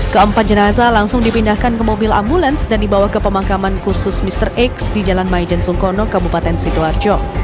keempat jenazah langsung dipindahkan ke mobil ambulans dan dibawa ke pemakaman khusus mr x di jalan maijen sungkono kabupaten sidoarjo